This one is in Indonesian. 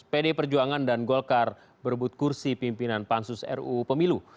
pd perjuangan dan golkar berebut kursi pimpinan pansus ruu pemilu